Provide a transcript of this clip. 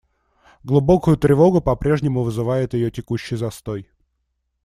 Глубокую тревогу по-прежнему вызывает ее текущий застой.